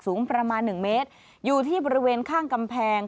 สูงประมาณหนึ่งเมตรอยู่ที่บริเวณข้างกำแพง